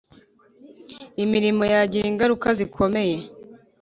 Imirimo yagira ingaruka zikomeye